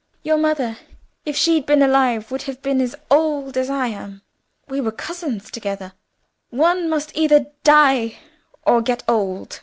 Your mother, if she'd been alive, would have been as old as I am; we were cousins together. One must either die or get old.